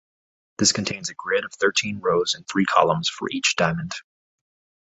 This contains a grid of thirteen rows and three columns for each Diamond.